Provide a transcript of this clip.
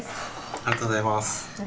ありがとうございます。